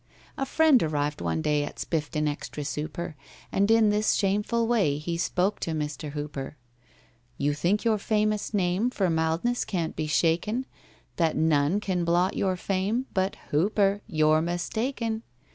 A friend arrived one day At Spiffton extra Sooper, And in this shameful way He spoke to MR. HOOPER: "You think your famous name For mildness can't be shaken, That none can blot your fame— But, HOOPER, you're mistaken!